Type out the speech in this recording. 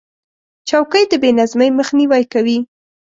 چوکۍ د بې نظمۍ مخنیوی کوي.